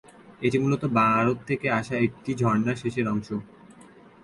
এটি মূলত ভারত থেকে আসা একটি ঝর্ণার শেষের অংশ।